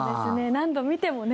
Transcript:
何度見てもね。